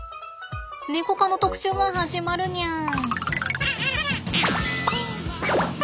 ネコ科の特集が始まるにゃん。